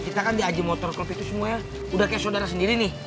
kita kan di aji motor club itu semua ya udah kayak saudara sendiri nih